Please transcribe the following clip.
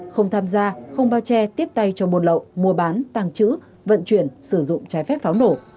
không tham gia không bao che tiếp tay cho buôn lậu mua bán tàng trữ vận chuyển sử dụng trái phép pháo nổ